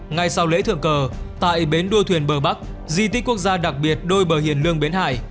ngay sau lễ thượng cờ tại bến đua thuyền bờ bắc di tích quốc gia đặc biệt đôi bờ hiền lương bến hải